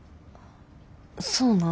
そうなん？